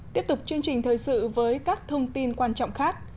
tiếp tục chương trình thời sự với các thông tin quan trọng khác